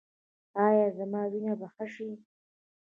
ایا زما وینه به ښه شي؟